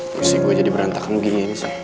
mesti gue jadi berantakan begini ini sih